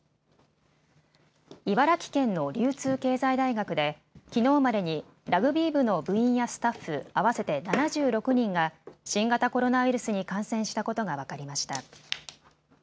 茨城県の流通経済大学できのうまでにラグビー部の部員やスタッフ、合わせて７６人が新型コロナウイルスに感染したことが分かりました。